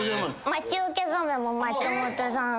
待ち受け松本さん？